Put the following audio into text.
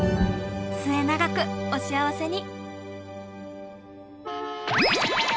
末永くお幸せに！